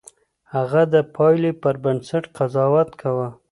هغه د پايلې پر بنسټ قضاوت کاوه.